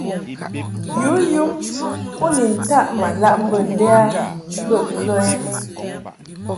Yǔ yum u ni taʼ ma laʼ mbə lɛ a bə kə ɛ ?